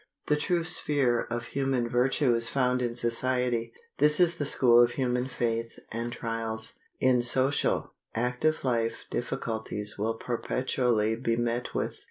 The true sphere of human virtue is found in society. This is the school of human faith and trials. In social, active life difficulties will perpetually be met with.